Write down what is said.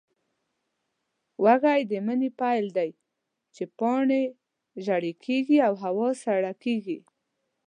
وږی د مني پیل دی، چې پاڼې ژېړې کېږي او هوا سړه کېږي.